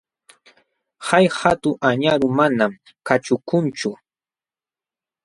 Hay hatun añaru manam kaćhukunchu.